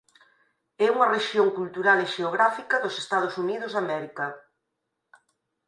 É unha rexión cultural e xeográfica dos Estados Unidos de América.